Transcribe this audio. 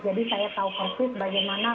jadi saya tahu persis bagaimana